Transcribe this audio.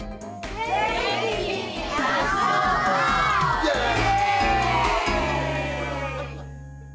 イエイ！